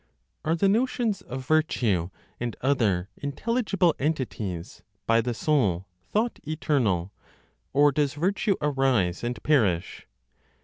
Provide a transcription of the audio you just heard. Are the notions of virtue, and other intelligible entities by the soul thought eternal, or does virtue arise and perish?